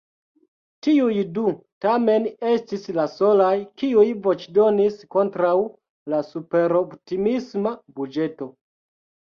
Tiuj du tamen estis la solaj, kiuj voĉdonis kontraŭ la superoptimisma buĝeto.